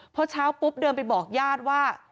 พอเช้าปุ๊บเดินไปบอกญาติว่า